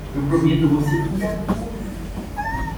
Eu prometo, vou ser cuidadoso!